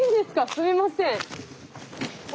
すいません。